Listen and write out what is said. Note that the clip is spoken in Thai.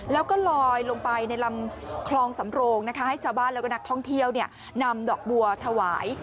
แล้วก็ลอยลงไปในลำคลองสำโรงนะคะให้ชาวบ้านแล้วก็นักท่องเที่ยวนำดอกบัวถวาย